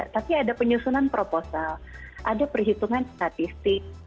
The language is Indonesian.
tapi ada penyusunan proposal ada perhitungan statistik